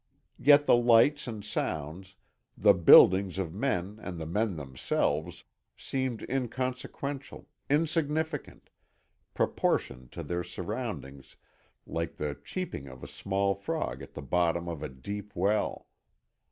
Yet the lights and sounds, the buildings of men and the men themselves seemed inconsequential, insignificant, proportioned to their surroundings like the cheeping of a small frog at the bottom of a deep well.